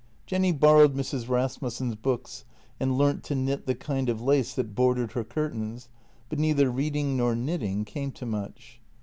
Jenny borrowed Mrs. Rasmussen's books and learnt to knit the kind of lace that bordered her curtains, but neither reading nor knitting came to much.